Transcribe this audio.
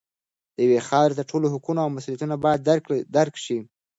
د یوې خاورې د ټولو حقونه او مسوولیتونه باید درک شي.